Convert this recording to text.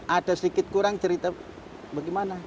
ada sedikit kurang cerita bagaimana